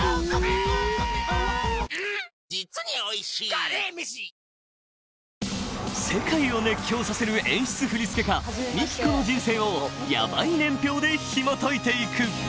さらに世界を熱狂させる演出・振付家ＭＩＫＩＫＯの人生をヤバイ年表でひもといて行く